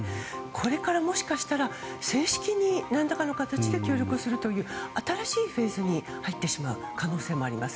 これからもしかしたら正式に何らかの形で協力するという新しいフェーズに入ってしまう可能性もあります。